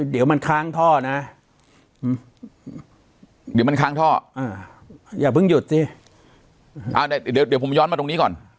เดี๋ยวผมย้อนต่อการณ์